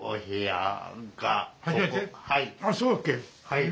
はい。